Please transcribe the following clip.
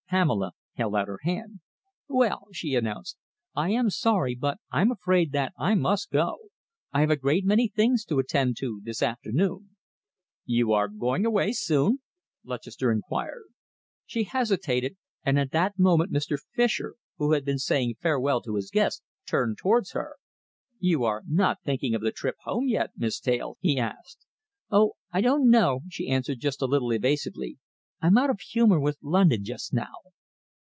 Pamela held out her hand. "Well," she announced, "I am sorry, but I'm afraid that I must go. I have a great many things to attend to this afternoon." "You are going away soon?" Lutchester inquired. She hesitated, and at that moment Mr. Fischer, who had been saying farewell to his guests, turned towards her. "You are not thinking of the trip home yet, Miss Van Teyl?" he asked. "Oh, I don't know," she answered a little evasively. "I'm out of humour with London just now."